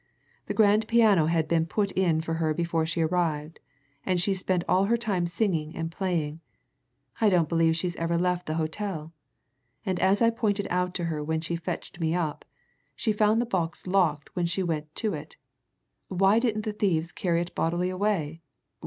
The grand piano had been put in for her before she arrived, and she's spent all her time singing and playing I don't believe she's ever left the hotel. And as I pointed out to her when she fetched me up, she found this box locked when she went to it why didn't the thieves carry it bodily away?